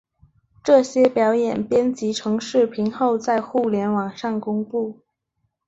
这些表演编辑成视频后在互联网上公布。